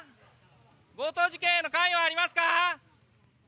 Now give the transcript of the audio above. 強盗事件への関与はありますか？